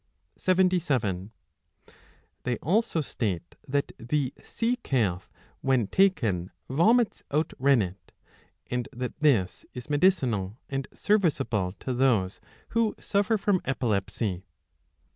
77 They also state that the sea calf, when taken, vomits out rennet, and that this is medicinal and serviceable to those who suffer from epilepsy.